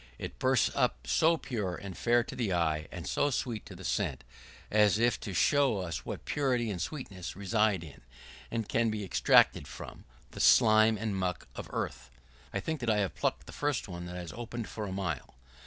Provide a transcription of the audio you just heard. It bursts up so pure and fair to the eye, and so sweet to the scent, as if to show us what purity and sweetness reside in, and can be extracted from, the slime and muck of earth. I think I have plucked the first one that has opened for a mile.